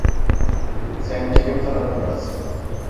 Sen kimin tarafındasın?